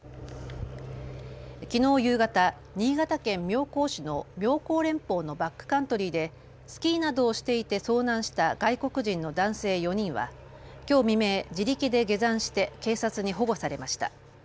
きのう夕方、新潟県妙高市の妙高連峰のバックカントリーでスキーなどをしていて遭難した外国人の男性４人はきょう未明、自力で下山して警察に保護されました。